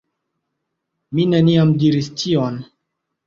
Mi neniam diris tion.